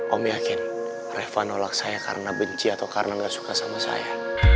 om yakin reva nolak saya karena benci atau karena gak suka sama saya